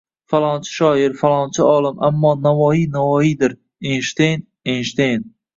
Falonchi – shoir, falonchi – olim, ammo Navoiy – Navoiydir, Eynshteyn – Eynshteyn.